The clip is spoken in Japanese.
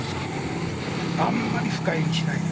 あんまり深入りしないでくださいね。